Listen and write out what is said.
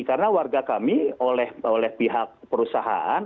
karena warga kami oleh pihak ppkm